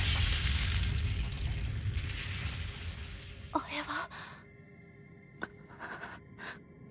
あれは。